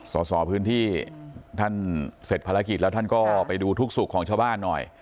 สอบพื้นที่ท่านเสร็จภารกิจแล้วท่านก็ไปดูทุกสุขของชาวบ้านหน่อย